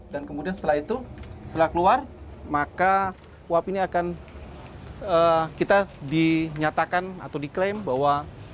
dan kemudian setelah itu setelah keluar maka uap ini akan kita dinyatakan atau diklaim bahwa